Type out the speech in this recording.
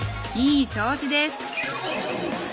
いい調子です！